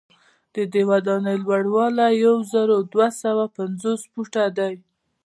ددې ودانۍ لوړوالی یو زر دوه سوه پنځوس فوټه دی.